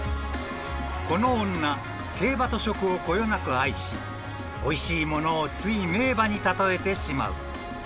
［この女競馬と食をこよなく愛しおいしいものをつい名馬に例えてしまう］